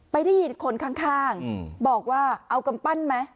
ได้ยินคนข้างบอกว่าเอากำปั้นไหม